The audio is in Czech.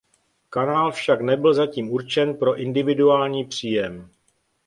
Kanál však nebyl zatím určen pro individuální příjem.